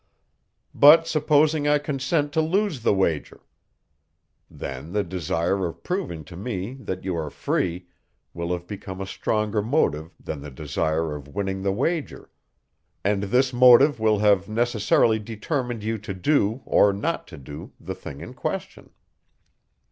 "But, supposing I consent to lose the wager?" Then the desire of proving to me, that you are free, will have become a stronger motive than the desire of winning the wager; and this motive will have necessarily determined you to do, or not to do, the thing in question.